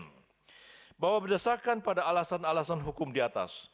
pemohon telah gagal secara formil yang berdasarkan pada alasan alasan hukum di atas